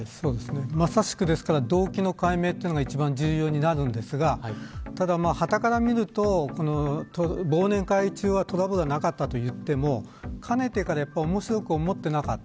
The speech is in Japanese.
まさしく、ですから動機の解明というのが一番重要になりますがはたから見ると忘年会中はトラブルはなかったといってもかねてから面白く思っていなかった。